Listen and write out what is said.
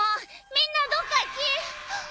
みんなどっか消え。